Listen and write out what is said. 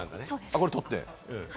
これを取って？